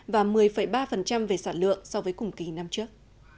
và một mươi ba về sản lượng so với cùng kỳ năm trước